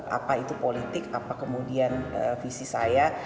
apa itu politik apa kemudian visi saya